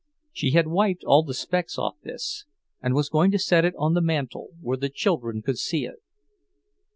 She had wiped all the specks off this, and was going to set it on the mantel, where the children could see it.